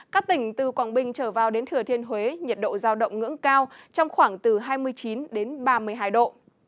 các tỉnh từ quảng bình trở vào đến thừa thiên huế nhiệt độ giao động ngưỡng cao trong khoảng từ hai mươi chín đến ba mươi hai độ